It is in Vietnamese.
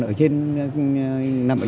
ở trên nằm